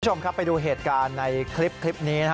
คุณผู้ชมครับไปดูเหตุการณ์ในคลิปนี้นะฮะ